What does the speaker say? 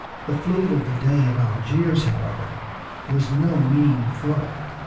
The fleet of the Dey of Algiers, however, was no mean foe.